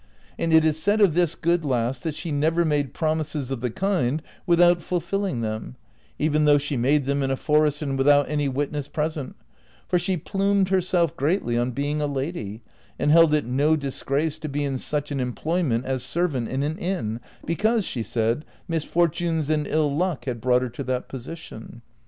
And it is said of this good lass that she never made promises of the kind without fulfilling them, even though she made them in a forest and without any witness present, for she plumed herself greatly on being a lady, and held it no disgrace to be in such an em ployment as servant in an inn, because, she said, misfortunes and ill luck had brought her to that position.